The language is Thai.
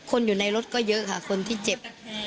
คนอยู่ในรถก็เยอะค่ะคนที่เจ็บ